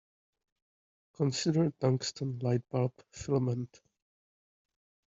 Consider a tungsten light-bulb filament.